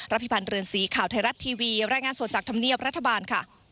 พิพันธ์เรือนสีข่าวไทยรัฐทีวีรายงานสดจากธรรมเนียบรัฐบาลค่ะ